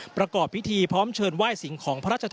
ประกอบพิธีพร้อมเชิญไหว้สิ่งของพระราชธรรม